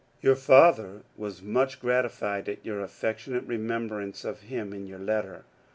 Your father was much g^tified at your affectionate remem brance of him in your letter.